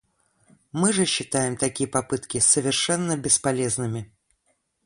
Мы же считаем такие попытки совершенно бесполезными.